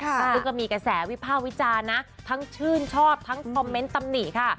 ซึ่งก็มีกระแสวิภาควิจารณ์นะทั้งชื่นชอบทั้งคอมเมนต์ตำหนิค่ะ